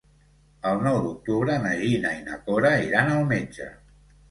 El nou d'octubre na Gina i na Cora iran al metge.